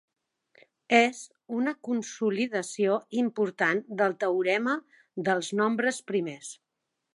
És una consolidació important del teorema dels nombres primers.